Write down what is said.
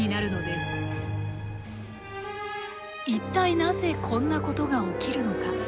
一体なぜこんなことが起きるのか？